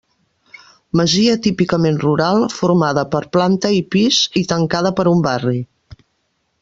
Masia típicament rural, formada per planta i pis i tancada per un barri.